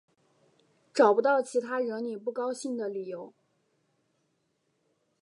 找不到其他惹你不高兴的理由